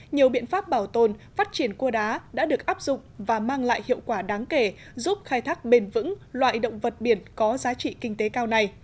nhiều biện pháp bảo tồn phát triển cua đá đã được áp dụng và mang lại hiệu quả đáng kể giúp khai thác bền vững loại động vật biển có giá trị kinh tế cao này